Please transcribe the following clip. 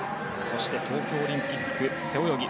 東京オリンピック背泳ぎ